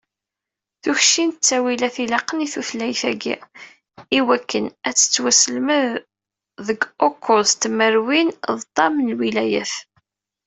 Tukci n ttawilat ilaqen i tutlayt-agi, i wakken ad tettwaselmed deg ukkuẓ tmerwin d ṭam n liwayat.